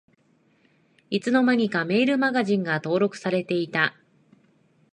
いつの間にかメールマガジンが登録されてた